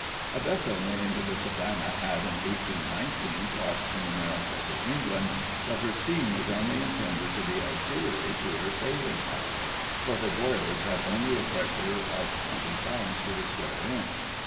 A vessel named the Savannah had in 18 19 crossed from America to England, but her steam was only intended to be auxiliary to her sailing power, for her boilers had only a pressure of 20 lbs. to the square inch.